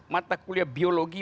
mata kuliah biologi